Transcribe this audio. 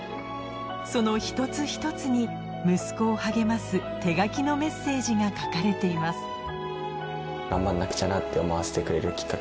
その一つ一つに息子を励ます手書きのメッセージが書かれています